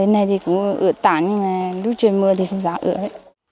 nơi này thì cũng ửa tản nhưng mà lúc trời mưa thì không rã ửa hết